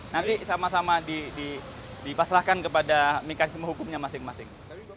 nanti sama sama dipasrahkan kepada mekanisme hukumnya masing masing